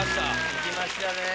いきましたね。